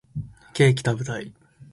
ケーキ食べたい